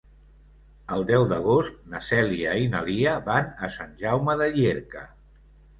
El deu d'agost na Cèlia i na Lia van a Sant Jaume de Llierca.